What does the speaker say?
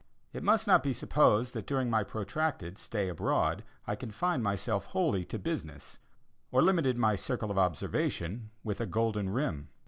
It must not be supposed that during my protracted stay abroad I confined myself wholly to business or limited my circle of observation with a golden rim.